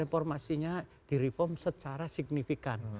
reformasinya direformasikan secara signifikan